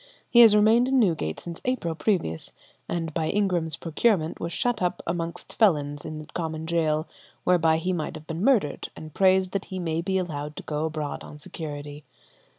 He has remained in Newgate since April previous, and by Ingram's procurement was shut up amongst felons in the common gaol, whereby he might have been murdered, and prays that he may be allowed to go abroad on security.